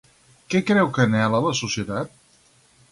Què creu que anhela la societat?